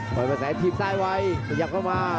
บรอยภาษาทีมซ้ายไวยพยายามเข้ามา